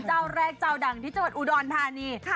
เจ้าแรกเจ้าดังที่จังหวัดอุดรธานี